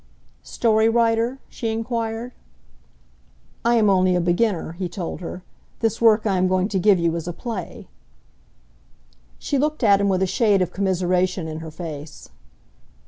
"Story writer?" she enquired. "I am only a beginner," he told her. "This work I am going to give you is a play." She looked at him with a shade of commiseration in her face.